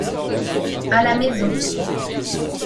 À la maison.